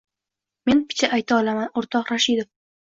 — Men picha ayta olaman, o‘rtoq Rashidov.